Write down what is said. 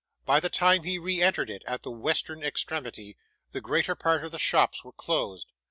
By the time he re entered it, at the western extremity, the greater part of the shops were closed.